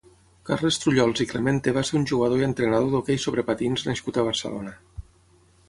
Carles Trullols i Clemente va ser un jugador i entrenador d'hoquei sobre patins nascut a Barcelona.